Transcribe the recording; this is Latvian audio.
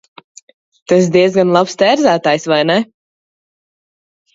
Tu esi diezgan labs tērzētājs, vai ne?